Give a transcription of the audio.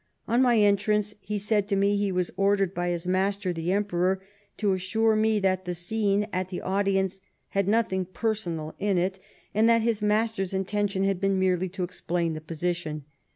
On my entrance he said to me he was ordered by his master, the Emperor, to assure me that the scene at the audience had nothing personal in it ; and that his master's intention had been merely to explain the position.